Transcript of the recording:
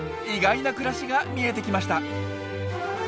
意外な暮らしが見えてきました！